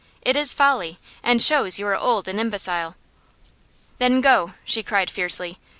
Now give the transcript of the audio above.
It is folly, and shows you are old and imbecile." "Then go!" she cried, fiercely.